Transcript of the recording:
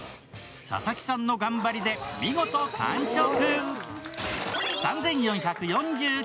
佐々木さんの頑張りで見事完食。